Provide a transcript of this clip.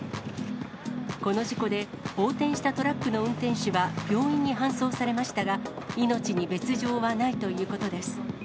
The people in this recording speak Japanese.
この事故で横転したトラックの運転手は病院に搬送されましたが、命に別状はないということです。